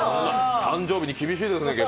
誕生日に厳しいですね。